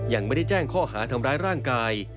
ยังไม่ได้แจ้งข้อหาทำร้ายร่างกาย